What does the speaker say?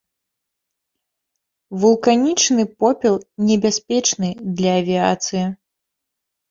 Вулканічны попел небяспечны для авіяцыі.